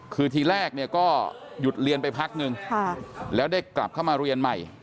คือทีแรกเนี่ยก็หยุดเรียนไปพักนึงแล้วได้กลับเข้ามาเรียนใหม่